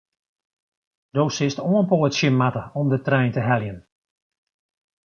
Do silst oanpoatsje moatte om de trein te heljen.